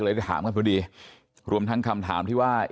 ได้ถามกันพอดีรวมทั้งคำถามที่ว่า